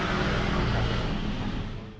ต้องทำแบบพอได้กินส่ะครับพอได้ซื้อข้าวซื้ออาหารให้ทุกคน